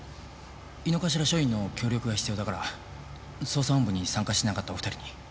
井の頭署員の協力が必要だから捜査本部に参加しなかったお二人に。